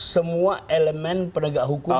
semua elemen pedagang hukum